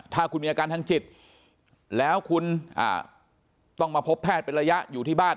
ถ้าคุณมีอาการทางจิตแล้วคุณต้องมาพบแพทย์เป็นระยะอยู่ที่บ้าน